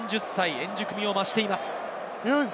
円熟味を増しています。